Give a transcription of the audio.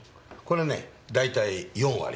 これね大体４割。